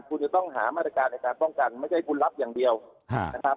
คุณจะต้องหามาตรการในการป้องกันไม่ใช่คุณรับอย่างเดียวนะครับ